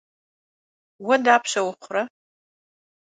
Vue dapşe vuxhure?